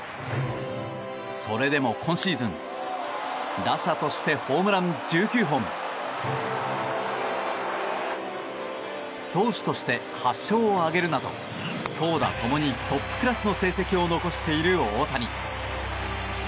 それでも今シーズン打者としてホームラン１９本投手として８勝を挙げるなど投打共にトップクラスの成績を残している大谷。